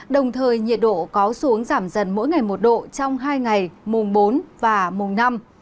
đồng thời nhiệt độ có xuống giảm dần mỗi ngày một độ trong hai ngày mùng bốn và mùng năm